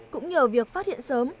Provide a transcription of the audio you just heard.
cũng nhờ việc phát triển sớm